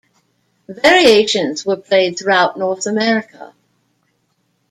Variations were played throughout North America.